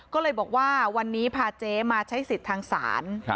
ก็เลยบอกว่าวันนี้พาเจ๊มาใช้สิทธิ์ทางศาล